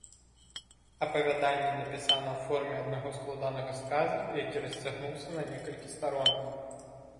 Апавяданне напісана ў форме аднаго складанага сказа, які расцягнуўся на некалькі старонак.